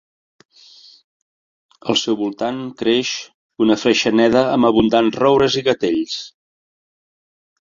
Al seu voltant creix una freixeneda amb abundants roures i gatells.